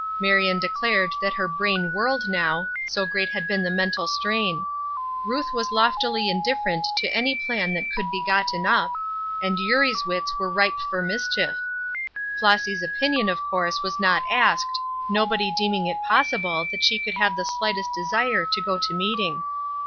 Marion declared that her brain whirled now, so great had been the mental strain; Ruth was loftily indifferent to any plan that could be gotten up, and Eurie's wits were ripe for mischief; Flossy's opinion, of course, was not asked, nobody deeming it possible that she could have the slightest desire to go to meeting.